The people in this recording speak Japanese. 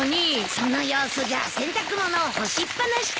その様子じゃ洗濯物を干しっ放しとか？